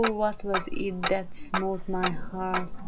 what was it that smote my heart